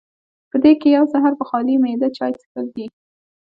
پۀ دې کښې يو سحر پۀ خالي معده چائے څښل دي